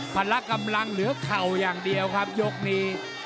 พละกำลังเหลือเข่าอย่างเดียวครับยกนี้